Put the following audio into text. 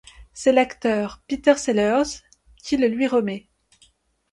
C'est l'acteur Peter Sellers qui le lui remet.